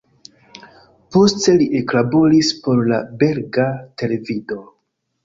Poste li eklaboris por la belga televido.